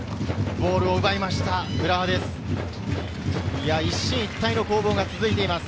ボールを奪いました、浦和です。